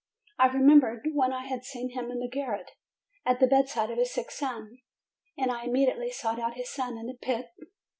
I remem bered when I had seen him in the garret, at the bedside of his sick son, and I immediately sought out his son in the pit.